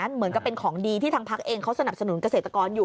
เหมือนกับเป็นของดีที่ทางพักเองเขาสนับสนุนเกษตรกรอยู่